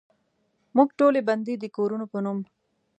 موږ ټولې بندې دکورونو په نوم،